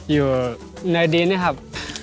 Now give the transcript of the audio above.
อยู่ในดินเนี่ยครับ